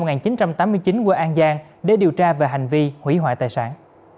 hãy đăng ký kênh của an giang để điều tra về hành vi hủy hoại tài sản